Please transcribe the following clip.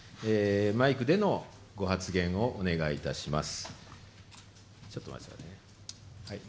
マイクでのご発言をお願いいたします。